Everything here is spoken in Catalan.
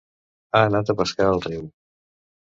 Ha anat a pescar al riu.